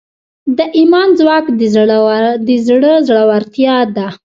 د ایمان ځواک د زړه زړورتیا ده.